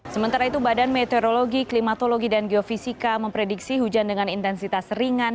sementara itu badan meteorologi klimatologi dan geofisika memprediksi hujan dengan intensitas ringan